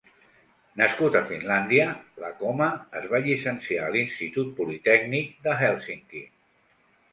Nascut a Finlàndia, Lakomaa es va llicenciar a l'Institut Politècnic de Hèlsinki.